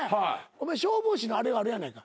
お前消防士のあれあるやないか。